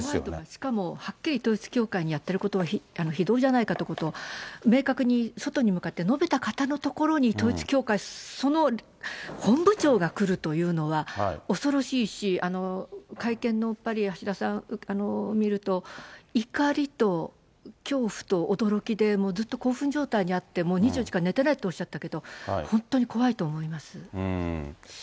しかもはっきり統一教会のやってることは非道じゃないかということ、明確に外に向かって述べた方の所に、統一教会、その本部長が来るというのは恐ろしいし、会見のやっぱり橋田さん、見ると、怒りと恐怖と驚きで、ずっと興奮状態にあって、もう２４時間寝てないっておっしゃったけど、本当に怖いと思います。